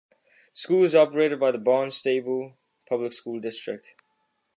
The school is operated by the Barnstable Public School District.